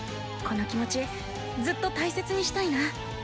この気持ちずっと大切にしたいな。